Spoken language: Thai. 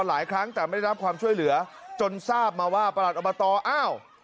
หลายครั้งแต่ไม่ได้รับความช่วยเหลือจนทราบมาว่าประหลัดอบตอ้าว